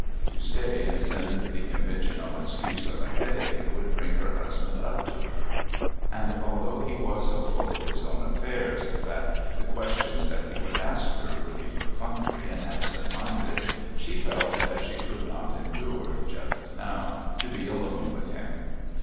To stay and send the conventional excuse of a headache would bring her husband up to her, and although he was so full of his own affairs that the questions that he would ask her would be perfunctory and absent minded, she felt that she could not endure, just now, to be alone with him.